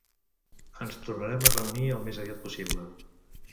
Ens tornarem a reunir al més aviat possible.